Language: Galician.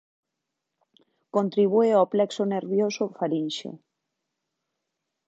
Contribúe ó plexo nervioso farínxeo.